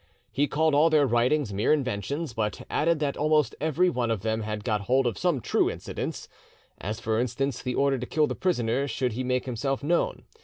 He called all their writings mere inventions, but added that almost every one of them had got hold of some true incidents, as for instance the order to kill the prisoner should he make himself known.